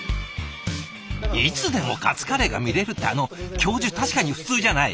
いつでもカツカレーが見れるってあの教授確かに普通じゃない。